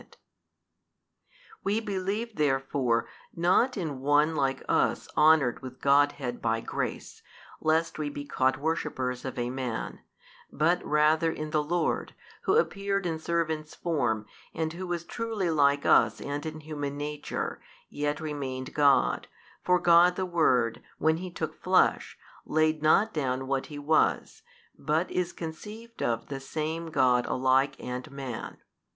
We believe therefore, not in one like us honoured with Godhead by grace, lest we be caught worshippers of a man, but rather in the Lord Who appeared in servant's form, and Who was truly like us and in human nature, yet remained God, for God the Word, when He took flesh, laid not down what He was, but is conceived of the Same God alike and Man.